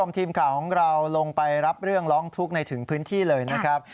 ทีมข่าวของเราลงไปรับเรื่องร้องทุกข์ในถึงพื้นที่เลยนะครับ